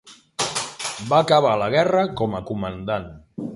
Va acabar la guerra com a comandant.